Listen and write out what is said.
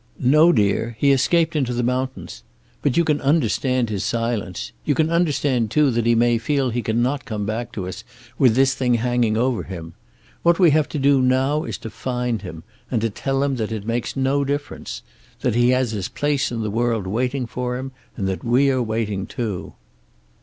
"No, dear. He escaped into the mountains. But you can understand his silence. You can understand, too, that he may feel he cannot come back to us, with this thing hanging over him. What we have to do now is to find him, and to tell him that it makes no difference. That he has his place in the world waiting for him, and that we are waiting too."